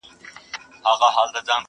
لا یې ساړه دي د برګونو سیوري.!